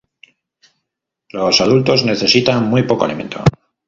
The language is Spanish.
Los adultos necesitan muy poco alimento.